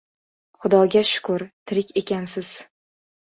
— Xudoga shukur, tirik ekansiz.